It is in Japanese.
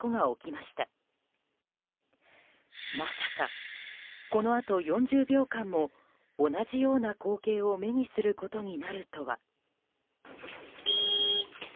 まさか、このあと４０秒間も同じような光景を目にすることになるとは。